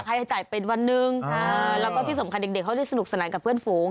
ให้จ่ายเป็นวันหนึ่งแล้วก็ที่สำคัญเด็กเขาได้สนุกสนานกับเพื่อนฝูง